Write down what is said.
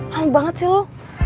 lama banget sih lo